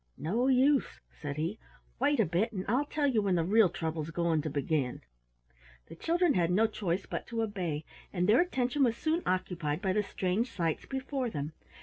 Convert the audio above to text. "No use," said he. "Wait a bit, and I'll tell you when the real trouble's going to begin." The children had no choice but to obey, and their attention was soon occupied by the strange sights before them.